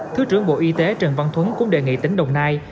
thứ trưởng bộ y tế trần văn thuấn cũng đề nghị tỉnh đồng nai